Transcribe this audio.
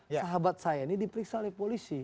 sahabat saya ini diperiksa oleh polisi